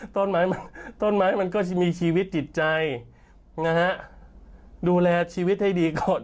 ต้นไม้ต้นไม้มันก็จะมีชีวิตจิตใจนะฮะดูแลชีวิตให้ดีก่อน